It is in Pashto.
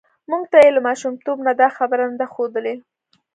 موږ ته یې له ماشومتوب نه دا خبره نه ده ښودلې